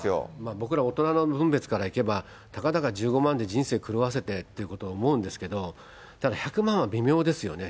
僕ら大人の分別からいけば、たかだか１５万で人生狂わせてってことを思うんですけど、ただ１００万は微妙ですよね。